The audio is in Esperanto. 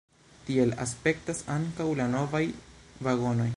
Tiel aspektas ankaŭ la novaj vagonoj.